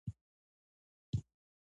موږ د حاکم رنګ ته رنګ نیسو.